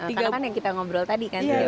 karena kan yang kita ngobrol tadi kan